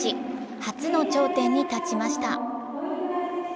初の頂点に立ちました。